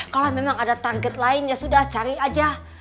kalau memang ada target lain ya sudah cari aja